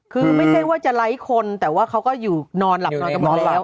คือไม่ใช่ว่าจะไร้คนแต่ว่าเขาก็อยู่นอนหลับนอนกันหมดแล้ว